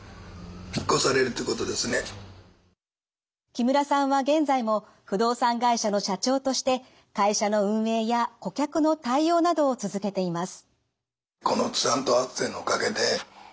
木村さんは現在も不動産会社の社長として会社の運営や顧客の対応などを続けています。